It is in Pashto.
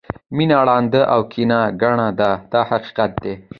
مینه ړانده او کینه کڼه ده دا حقیقت دی.